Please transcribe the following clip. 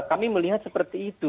kami melihat seperti itu